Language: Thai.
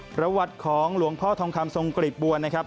ประวัติของหลวงพ่อทองคำทรงกรีบบัวนะครับ